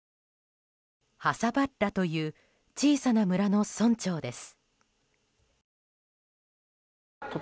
ハサバッラという小さな村の村長です。